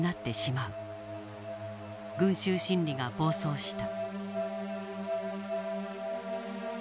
群集心理が暴走した。